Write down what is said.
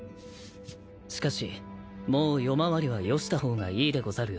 しかしもう夜回りはよした方がいいでござるよ。